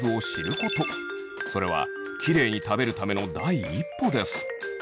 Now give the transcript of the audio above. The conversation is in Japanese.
それはキレイに食べるための第一歩です。